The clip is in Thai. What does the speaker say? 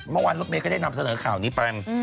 เมื่อวานรถเมย์ก็ได้นำเสนอข่าวนี้ไป